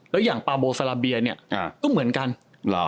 แล้วอย่างปาโบซาลาเบียเนี่ยก็เหมือนกันเหรอ